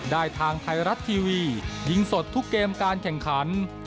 ทางไทยรัฐทีวียิงสดทุกเกมการแข่งขัน